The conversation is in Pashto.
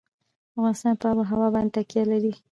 افغانستان په آب وهوا باندې تکیه لري.